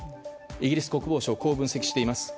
イギリス国防省はこう分析しています。